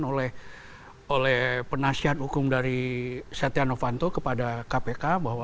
oleh penasihat hukum dari setia novanto kepada kpk bahwa